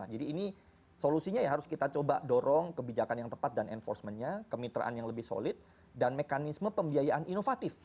jadi ini solusinya ya harus kita coba dorong kebijakan yang tepat dan enforcementnya kemitraan yang lebih solid dan mekanisme pembiayaan inovatif